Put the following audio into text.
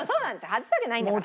外すわけないんだから。